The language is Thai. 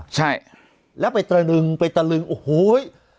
ใช่แล้วไปตระหนึ่งไปตระหนึ่งโอ้โหเฮ้ย